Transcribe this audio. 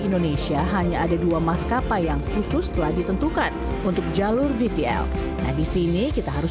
indonesia hanya ada dua maskapai yang khusus telah ditentukan untuk jalur vtl nah disini kita harus